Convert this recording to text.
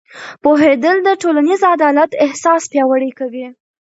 پوهېدل د ټولنیز عدالت احساس پیاوړی کوي.